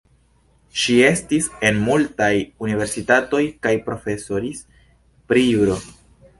Ŝi estis en multaj universitatoj kaj profesoris pri juro.